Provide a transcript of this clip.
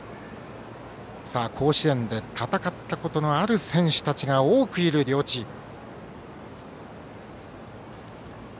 甲子園で戦ったことのある選手たちが多くいる両チーム。